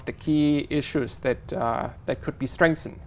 và tôi sẽ gửi cho các bạn hai câu hỏi